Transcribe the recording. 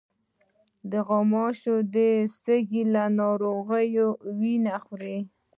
غوماشې د سږي له ناروغانو وینه خوري.